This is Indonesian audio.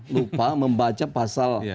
lupa membaca pasal